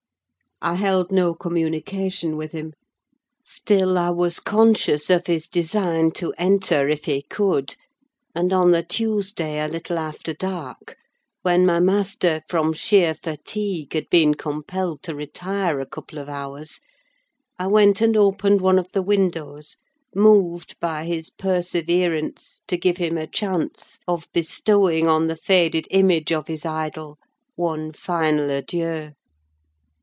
I held no communication with him; still, I was conscious of his design to enter, if he could; and on the Tuesday, a little after dark, when my master, from sheer fatigue, had been compelled to retire a couple of hours, I went and opened one of the windows; moved by his perseverance to give him a chance of bestowing on the faded image of his idol one final adieu.